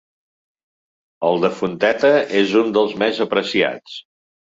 El de Fonteta és un dels més apreciats.